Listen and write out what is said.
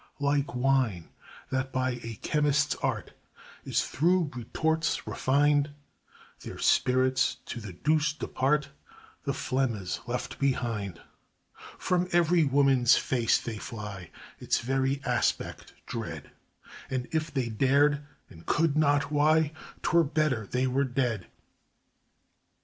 Like wine that by a chemist's art Is through retorts refined, Their spirits to the deuce depart, The phlegma's left behind. From every woman's face they fly, Its very aspect dread, And if they dared and could not why, 'Twere better they were dead.